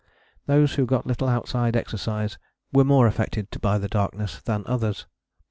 Those who got little outside exercise were more affected by the darkness than others.